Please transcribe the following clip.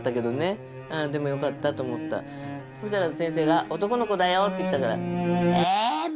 そしたら先生が「男の子だよ」って言ったから。